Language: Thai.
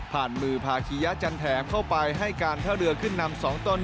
มือพาคียะจันแถมเข้าไปให้การท่าเรือขึ้นนำ๒ต้น